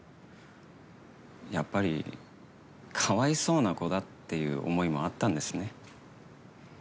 やっぱりかわいそうな子だっていう思いもあったんですね。